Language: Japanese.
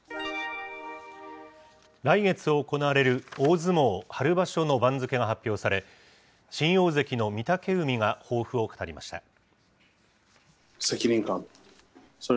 来月行われる大相撲春場所の番付が発表され、新大関の御嶽海が抱負を語りました。